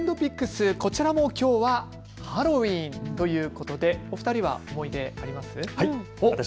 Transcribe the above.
こちらもきょうはハロウィーンということでお二人は思い出、ありますか。